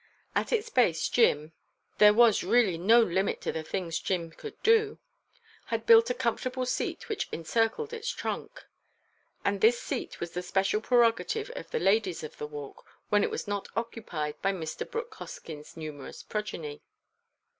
At its base Jim—there was really no limit to the things Jim could do—had built a comfortable seat which encircled its trunk, and this seat was the special prerogative of the ladies of the Walk when it was not occupied by Mr. Brooke Hoskyn's numerous progeny.